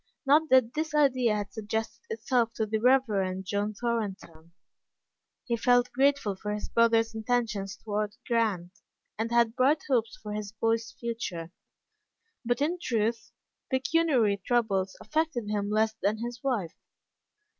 Not that this idea had suggested itself to the Rev. John Thorn ton. He felt grateful for his brother's intentions toward Grant, and had bright hopes of his boy's future. But, in truth, pecuniary troubles affected him less than his wife.